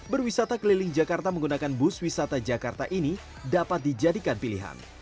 berwisata keliling jakarta menggunakan bus wisata jakarta ini dapat dijadikan pilihan